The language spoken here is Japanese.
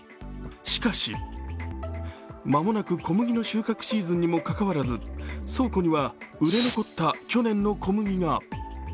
しかし、間もなく小麦の収穫シーズンにもかかわらず、倉庫には売れ残った去年の小麦が。